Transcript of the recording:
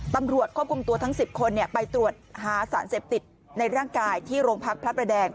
ตำรวจควบคุมตัวทั้ง๑๐คนไปตรวจหาสารเสพติดในร่างกายที่โรงพักพระประแดง